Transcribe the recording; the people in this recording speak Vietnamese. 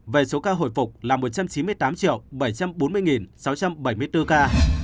về số ca hồi phục là một trăm chín mươi tám bảy trăm bốn mươi sáu trăm bảy mươi bốn ca